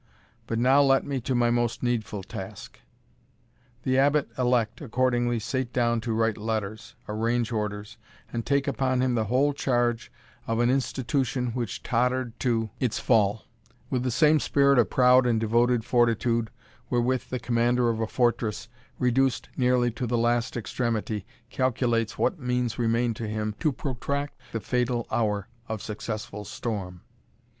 But now let me to my most needful task." The Abbot elect accordingly sate down to write letters, arrange orders, and take upon him the whole charge of an institution which tottered to its fall, with the same spirit of proud and devoted fortitude wherewith the commander of a fortress, reduced nearly to the last extremity, calculates what means remain to him to protract the fatal hour of successful storm.